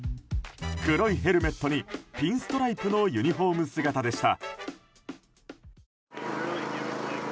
黒いヘルメットにピンストライプのユニホーム姿でした。